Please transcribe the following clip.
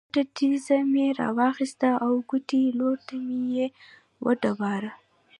غټه تیږه مې را واخیسته او کوټې لور ته مې یې وډباړه.